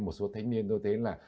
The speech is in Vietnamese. một số thanh niên tôi thấy là